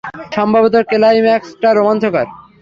সম্ভবত, ক্লাইম্যাক্সটা রোমাঞ্চকর।